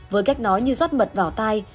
với cách nói như rót mật vào tay